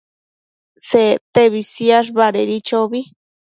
Sectebi siash badedi chobi